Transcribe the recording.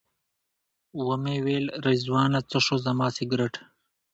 ومې ویل رضوانه څه شو زما سګرټ.